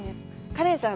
カレンさん。